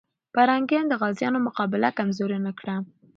پرنګیان د غازيانو مقابله کمزوري نه کړه.